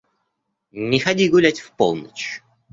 Не ходи гулять в полночь.